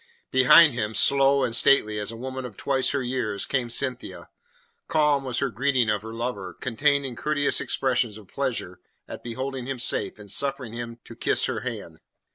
Behind him, slow and stately as a woman of twice her years, came Cynthia. Calm was her greeting of her lover, contained in courteous expressions of pleasure at beholding him safe, and suffering him to kiss her hand.